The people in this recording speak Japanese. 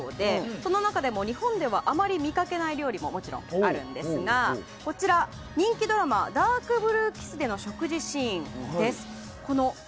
その中でも日本ではあまり見かけない料理ももちろんあるんですがこちらは人気ドラマ「ＤａｒｋＢｌｕｅＫｉｓｓ」での食事シーンです。